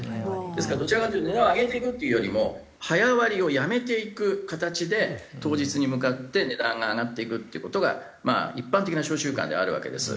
ですからどちらかというと値を上げてくっていうよりも早割をやめていく形で当日に向かって値段が上がっていくっていう事がまあ一般的な商習慣であるわけです。